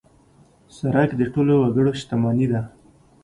سړک د ټولو وګړو شتمني ده.